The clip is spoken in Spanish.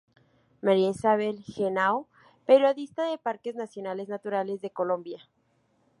María Isabel Henao, periodista de Parques Nacionales Naturales de Colombia.